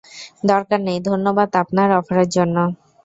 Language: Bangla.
দরকার নেই, ধন্যবাদ আপনার অফারের জন্য।